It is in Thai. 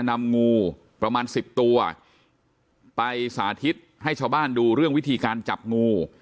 นำงูประมาณ๑๐ตัวไปสาธิตให้ชาวบ้านดูเรื่องวิธีการจับงู